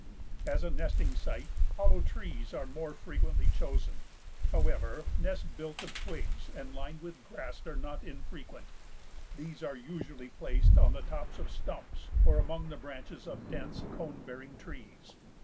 As a nesting site, hollow trees are more frequently chosen. However, nests built of twigs and lined with grass are not infrequent. These are usually placed on the tops of stumps or among the branches of dense cone bearing trees.